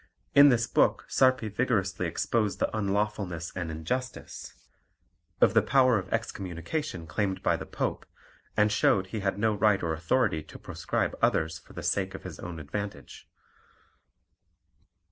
In this book Sarpi vigorously exposed the unlawfulness and injustice of the power of excommunication claimed by the Pope, and showed he had no right or authority to proscribe others for the sake of his own advantage.